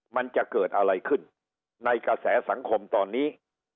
มันจะเกิดอะไรขึ้นในกระแสสังคมตอนนี้